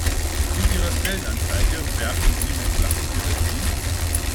In Ihrer Stellenanzeige werben Sie mit flachen Hierarchien.